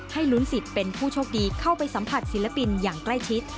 ลุ้นสิทธิ์เป็นผู้โชคดีเข้าไปสัมผัสศิลปินอย่างใกล้ชิด